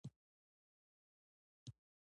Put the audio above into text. پامیر د افغانستان د طبیعي زیرمو یوه لویه برخه ده.